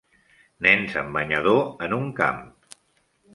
Nens amb banyador en un camp.